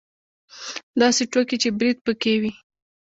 داسې ټوکې چې برید پکې وي.